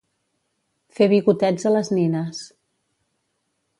Fer bigotets a les nines.